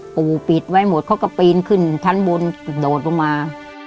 ปู่ปิดไว้หมดเขาก็ปีนขึ้นชั้นบนโดดลงมา